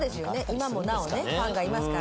今もなおファンがいますからね。